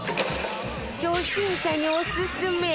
初心者におすすめ！